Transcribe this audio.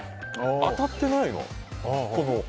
当たってないの。